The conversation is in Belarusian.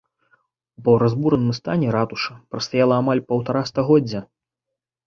У паўразбураным стане ратуша прастаяла амаль паўтара стагоддзя.